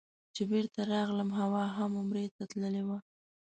چې بېرته راغلم حوا هم عمرې ته تللې وه.